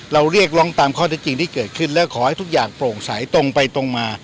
เรียกร้องตามข้อได้จริงที่เกิดขึ้นและขอให้ทุกอย่างโปร่งใสตรงไปตรงมา